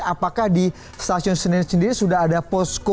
apakah di stasiun senen sendiri sudah ada posko